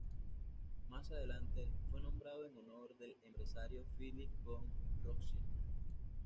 Más adelante, fue nombrado en honor del empresario Philipp von Rothschild.